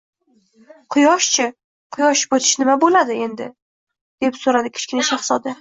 — Quyosh-chi, quyosh botishi nima bo‘ladi endi?— deb so‘radi Kichkina shahzoda.